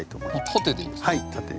縦でいいですね。